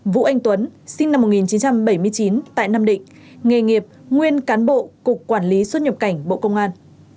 vũ anh tuấn sinh năm một nghìn chín trăm bảy mươi chín tại nam định nghề nghiệp nguyên cán bộ cục quản lý xuất nhập cảnh bộ công an